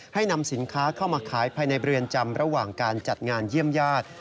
ให้นำสินค้าเข้ามาขายภายในเรือนจำระหว่างการจัดงานเยี่ยมญาติ